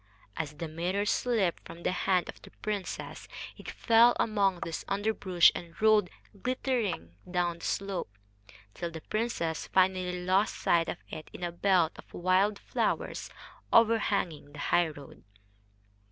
As the mirror slipped from the hand of the princess it fell among this underbrush and rolled, glittering, down the slope, till the princess finally lost sight of it in a belt of wild flowers overhanging the highroad.